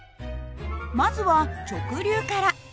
まずは直流から。